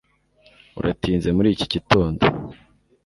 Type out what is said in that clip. Uratinze muri iki gitondo